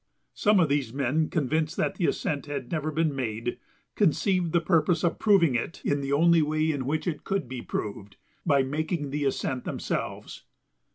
Some of these men, convinced that the ascent had never been made, conceived the purpose of proving it in the only way in which it could be proved by making the ascent themselves.